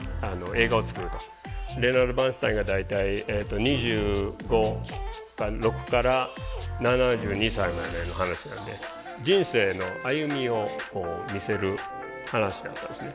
レナード・バーンスタインが大体２５か６から７２歳までの話なんで人生の歩みをこう見せる話だったんですね。